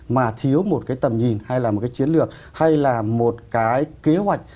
mà thiếu một cái tầm nhìn hay là một cái chiến lược hay là một cái kế hoạch